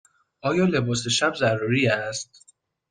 آیا لباس شب ضروری است؟